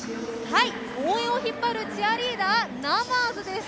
応援を引っ張るチアリーダーナマーズです。